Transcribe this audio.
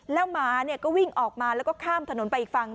แล้วหมาก็วิ่งออกมาแล้วก็ข้ามถนนไปอีกฝั่ง